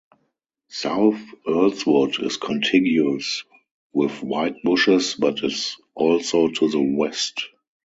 South Earlswood is contiguous with Whitebushes but is also to the west.